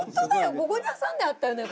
ここに挟んであったんだよ